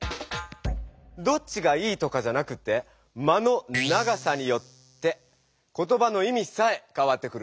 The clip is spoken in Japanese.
どっちがいいとかじゃなくて「間」の長さによって言葉のいみさえかわってくるんだね。